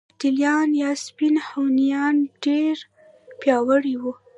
یفتلیان یا سپین هونیان ډیر پیاوړي وو